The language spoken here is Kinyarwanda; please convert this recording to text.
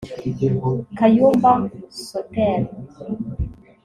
Kayumba Soter